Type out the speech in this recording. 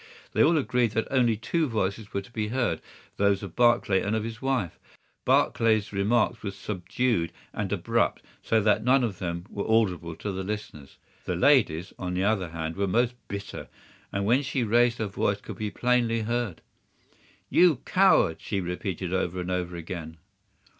They all agreed that only two voices were to be heard, those of Barclay and of his wife. Barclay's remarks were subdued and abrupt, so that none of them were audible to the listeners. The lady's, on the other hand, were most bitter, and when she raised her voice could be plainly heard. 'You coward!' she repeated over and over again.